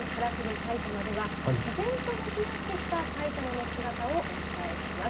埼玉では自然と向き合ってきた埼玉の姿をお伝えします。